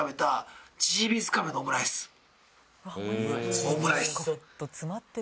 オムライス。